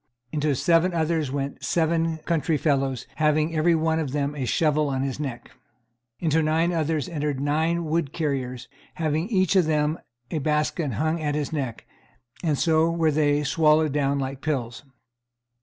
Into seven others went seven country fellows, having every one of them a shovel on his neck. Into nine others entered nine wood carriers, having each of them a basket hung at his neck, and so were they swallowed down like pills.